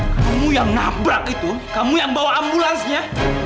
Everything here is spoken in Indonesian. kamu yang nabrak itu kamu yang bawa ambulansnya